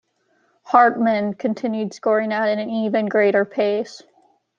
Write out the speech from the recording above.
Hartmann continued scoring at an even greater pace.